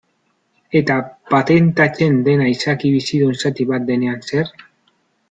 Eta patentatzen dena izaki bizidun zati bat denean zer?